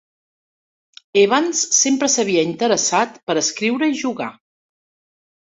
Evans sempre s'havia interessat per escriure i jugar.